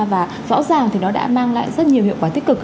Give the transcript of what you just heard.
và rõ ràng thì nó đã mang lại rất nhiều hiệu quả tích cực